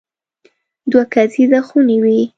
دوه کسیزه خونې وې.